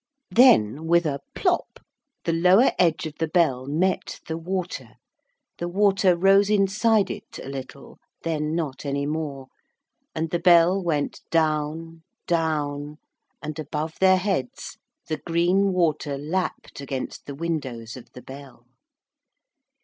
Then with a plop the lower edge of the bell met the water, the water rose inside it, a little, then not any more. And the bell went down, down, and above their heads the green water lapped against the windows of the bell.